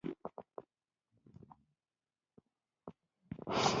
• شپه د غمونو او خوشالیو شاهد ده.